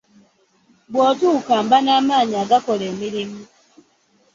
Bw’otuuka mba n’amaanyi agakola emirimu.